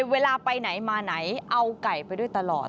เวลาไปไหนมาไหนเอาไก่ไปด้วยตลอด